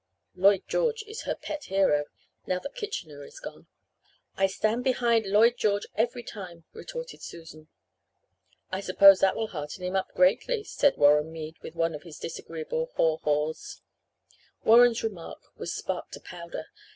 Lloyd George is her pet hero, now that Kitchener is gone. "'I stand behind Lloyd George every time,' retorted Susan. "'I suppose that will hearten him up greatly,' said Warren Mead, with one of his disagreeable 'haw haws.' "Warren's remark was spark to powder.